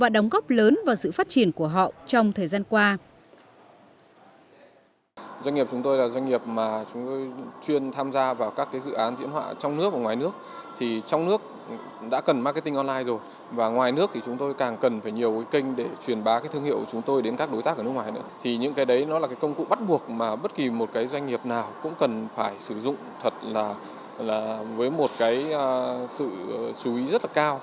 đó là một kênh rất quan trọng và đóng góp lớn vào sự phát triển của họ trong thời gian qua